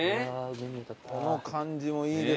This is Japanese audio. この感じもいいですね。